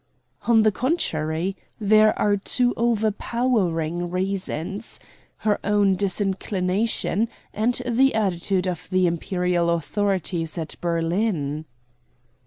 "On the contrary, there are two overpowering reasons her own disinclination, and the attitude of the Imperial authorities at Berlin."